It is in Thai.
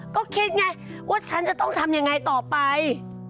ก็คิดไงว่าฉันจะต้องทำยังไงต่อไป